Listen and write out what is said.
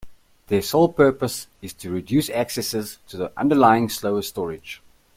Their sole purpose is to reduce accesses to the underlying slower storage.